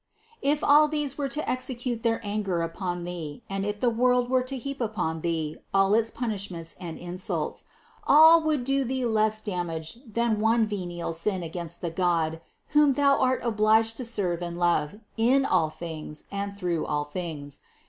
If all these were to execute their anger upon thee, and if the world were to heap upon thee all its punishments and insults, all would do thee less damage than one venial sin against the God whom thou art obliged to serve and love in all things and through all things.